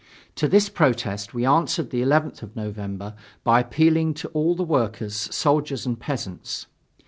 To this protest we answered the 11th of November by appealing to all the workers, soldiers and peasants.